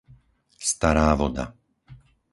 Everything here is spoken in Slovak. Stará Voda